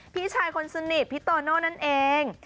พี่ชายคนสนิทพี่โตโน่นั่นเอง